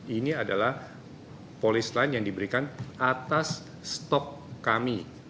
ini adalah polis lain yang diberikan atas stok kami